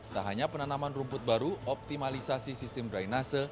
tak hanya penanaman rumput baru optimalisasi sistem drainase